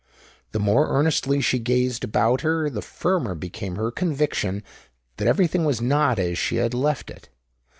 The more earnestly she gazed about her, the firmer became her conviction that every thing was not as she had left it.